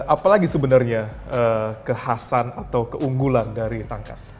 apalagi sebenarnya kekhasan atau keunggulan dari tangkas